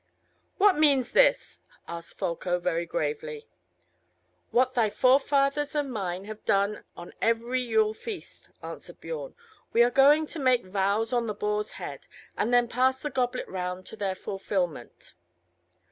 "What means this?" asked Folko very gravely. "What thy forefathers and mine have done on every Yule feast," answered Biorn. "We are going to make vows on the boar's head, and then pass the goblet round to their fulfilment."